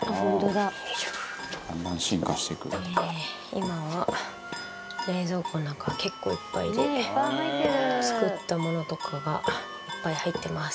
今は、冷蔵庫の中は結構いっぱいで作ったものとかがいっぱい入ってます。